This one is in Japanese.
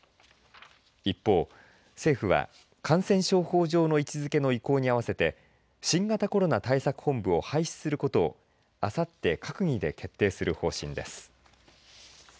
一方、政府は感染症法上の位置づけの移行に合わせて新型コロナ対策本部を廃止することをあさって閣議で決定する方針です。